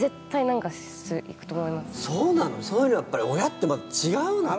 そういうのやっぱり親って違うのね。